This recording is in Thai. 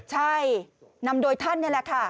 ใช่นำโดยท่านนี่แหละค่ะ